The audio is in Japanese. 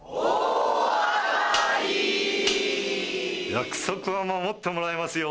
約束は守ってもらいますよ。